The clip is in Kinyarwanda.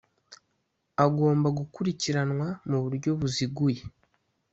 agomba gukurikiranwa mu buryo buziguye